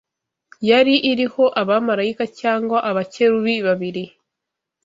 Yari iriho abamarayika cyangwa abakerubi babiri